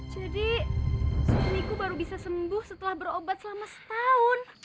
jadi suku miku baru bisa sembuh setelah berobat selama setahun